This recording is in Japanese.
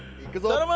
頼む！